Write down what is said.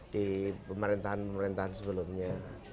di pemerintahan pemerintahan sebelumnya